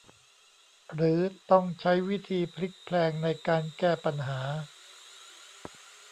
หรือต้องใช้วิธีพลิกแพลงในการแก้ปัญหา